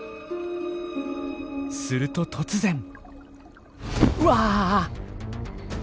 すると突然うわ！